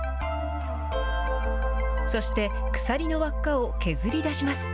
そして鎖の輪っかを削り出します。